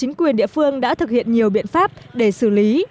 hội phương đã thực hiện nhiều biện pháp để xử lý